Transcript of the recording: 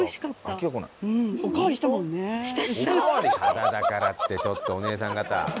タダだからってちょっとお姉さん方。